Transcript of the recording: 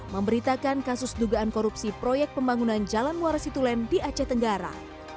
memberitakan kasus dugaan korupsi proyek pembangunan jalan muara situlen di aceh tenggara